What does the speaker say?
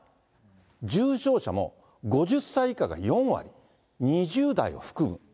重症者も５０歳以下が４割、２０代を含む。